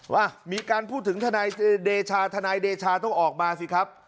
ว่ามีการพูดถึงทนายเดชาทนายเดชาต้องออกมาสิครับ